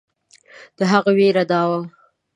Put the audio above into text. د هغوی وېره دا وه.